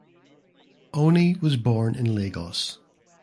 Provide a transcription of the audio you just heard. Oni was born in Lagos.